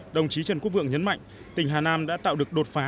đồng chí trần quốc vượng nhấn mạnh tỉnh hà nam đã tạo được đột phá